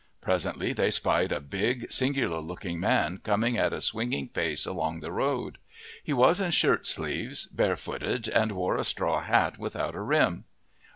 Presently they spied a big, singular looking man coming at a swinging pace along the road. He was in shirt sleeves, barefooted, and wore a straw hat without a rim.